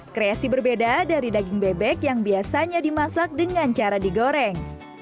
kreasi berbeda dari daging bebek yang biasanya dimasak dengan cara digoreng